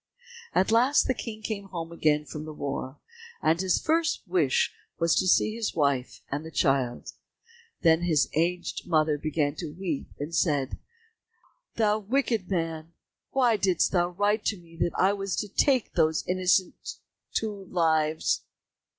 At last the King came home again from the war, and his first wish was to see his wife and the child. Then his aged mother began to weep and said, "Thou wicked man, why didst thou write to me that I was to take those two innocent lives?"